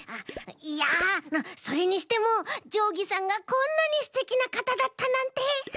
いやそれにしてもじょうぎさんがこんなにステキなかただったなんて。